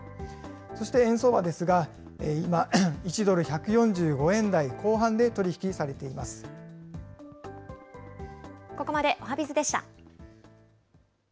そして円相場ですが、今、１ドル１４５円台後半で取り引きされてここまでおはＢｉｚでした。